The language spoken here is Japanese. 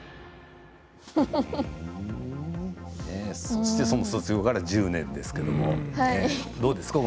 そしてその卒業から１０年ですけれどどうですか？